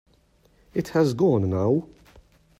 It has gone now.